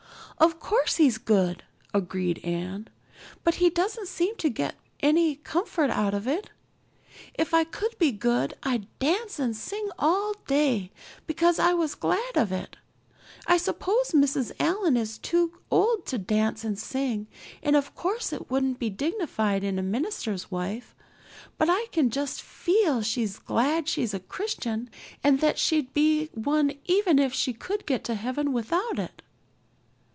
"Oh, of course he's good," agreed Anne, "but he doesn't seem to get any comfort out of it. If I could be good I'd dance and sing all day because I was glad of it. I suppose Mrs. Allan is too old to dance and sing and of course it wouldn't be dignified in a minister's wife. But I can just feel she's glad she's a Christian and that she'd be one even if she could get to heaven without it."